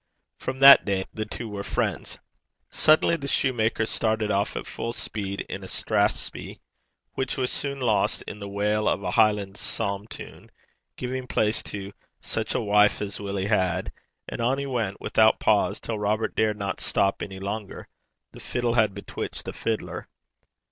From that day the two were friends. Suddenly the soutar started off at full speed in a strathspey, which was soon lost in the wail of a Highland psalm tune, giving place in its turn to 'Sic a wife as Willie had!' And on he went without pause, till Robert dared not stop any longer. The fiddle had bewitched the fiddler.